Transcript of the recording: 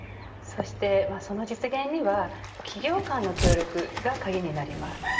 そしてその実現には企業間の協力が鍵になります。